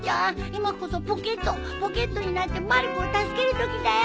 今こそポケットポケットになってまる子を助けるときだよ。